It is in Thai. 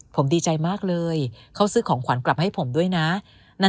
ผมดีใจมากเลยเขาซื้อของขวัญกลับให้ผมด้วยนะ